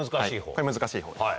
これ難しい方です。